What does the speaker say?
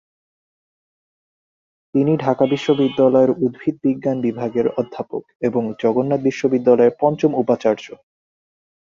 তিনি ঢাকা বিশ্ববিদ্যালয়ের উদ্ভিদবিজ্ঞান বিভাগের অধ্যাপক এবং জগন্নাথ বিশ্ববিদ্যালয়ের পঞ্চম উপাচার্য।